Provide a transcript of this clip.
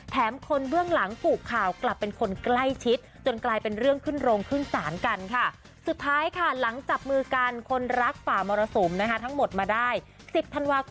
แถมคนเบื้องหลังปลูกข่าวกลับเป็นคนใกล้ชิด